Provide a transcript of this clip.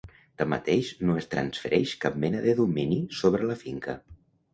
Tanmateix no es transfereix cap mena de domini sobre la finca.